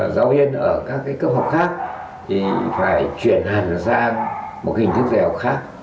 giáo viên ở các cấp học khác thì phải chuyển hành ra một hình thức dạy học khác